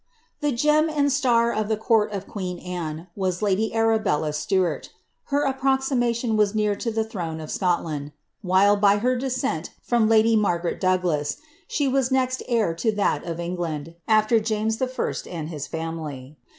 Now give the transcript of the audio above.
^ The gem and star of the courl of qnetn Anne was ladv Arabella Stu art. i!er approximation was near to the throne of Scotland, while, by her ilescent from lady iMargarel Douglas, she was next heir lo thai A Enirland. after James I. and his family.